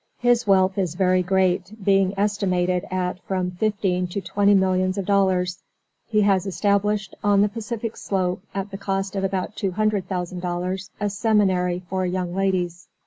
His wealth is very great, being estimated at from fifteen to twenty millions of dollars. He has established on the Pacific slope, at a cost of about two hundred thousand dollars, a seminary for young ladies.